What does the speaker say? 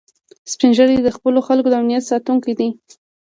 سپین ږیری د خپلو خلکو د امنیت ساتونکي دي